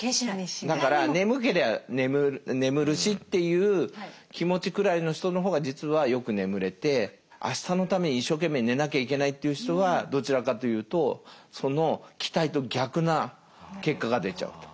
だから眠けりゃ眠るしっていう気持ちくらいの人の方が実はよく眠れてあしたのために一生懸命寝なきゃいけないっていう人はどちらかというとその期待と逆な結果が出ちゃうと。